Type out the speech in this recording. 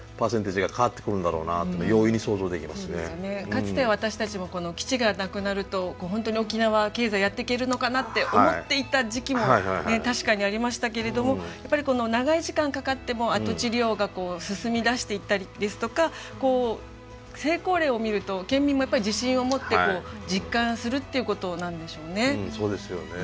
かつて私たちも基地がなくなると本当に沖縄経済やっていけるのかなって思っていた時期も確かにありましたけれどもやっぱり長い時間かかっても跡地利用が進みだしていったりですとかこう成功例を見ると県民もやっぱり自信を持って実感するっていうことなんでしょうね。